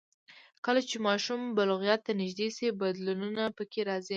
کله چې ماشوم بلوغیت ته نږدې شي، بدلونونه پکې راځي.